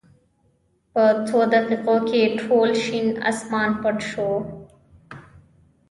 په څو دقېقو کې ټول شین اسمان پټ شو.